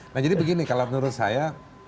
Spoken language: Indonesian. nah jadi begini kalau menurut saya